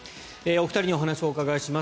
お二人にお話をお伺いします。